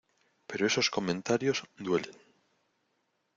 pero esos comentarios, duelen.